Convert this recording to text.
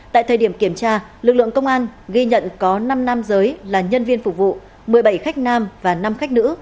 tại thời điểm kiểm tra lực lượng công an ghi nhận có năm nam giới là nhân viên phục vụ một mươi bảy khách nam và năm khách nữ